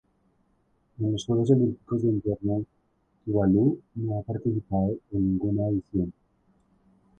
En los Juegos Olímpicos de Invierno Tuvalu no ha participado en ninguna edición.